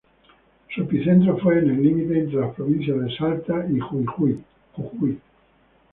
Su epicentro fue en el límite entre las provincias de Salta y Jujuy.